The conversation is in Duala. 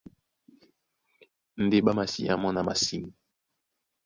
Ndé ɓá masiá mɔ́ na masîn.